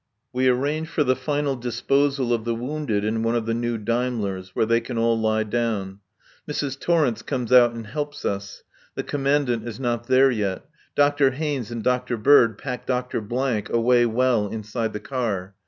We arrange for the final disposal of the wounded in one of the new Daimlers, where they can all lie down. Mrs. Torrence comes out and helps us. The Commandant is not there yet. Dr. Haynes and Dr. Bird pack Dr. away well inside the car.